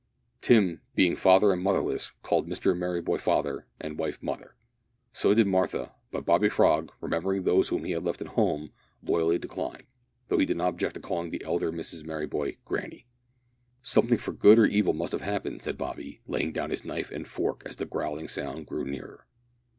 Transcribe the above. Tim, being father and motherless, called Mr Merryboy father and the wife mother. So did Martha, but Bobby Frog, remembering those whom he had left at home, loyally declined, though he did not object to call the elder Mrs Merryboy granny. "Something for good or evil must have happened," said Bobby, laying down his knife and fork as the growling sound drew nearer.